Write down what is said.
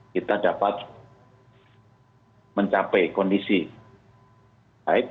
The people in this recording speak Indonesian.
kita dapat mencapai kondisi yang sempurna